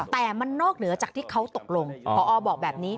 แต่มันนอกเหนือจากที่เขาตกลงพอบอกแบบนี้